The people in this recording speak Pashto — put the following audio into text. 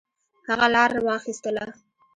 هغه لار واخیستله.